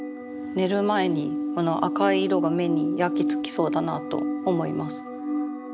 寝る前にこの赤い色が目に焼き付きそうだなと思います。